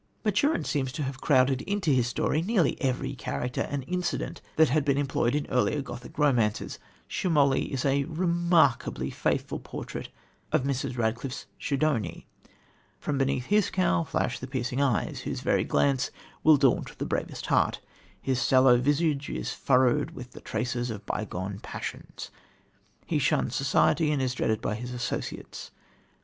Maturin seems to have crowded into his story nearly every character and incident that had been employed in earlier Gothic romances. Schemoli is a remarkably faithful portrait of Mrs. Radcliffe's Schedoni. From beneath his cowl flash the piercing eyes, whose very glance will daunt the bravest heart; his sallow visage is furrowed with the traces of bygone passions; he shuns society, and is dreaded by his associates.